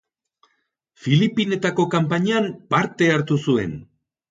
Filipinetako kanpainan parte hartu zuen.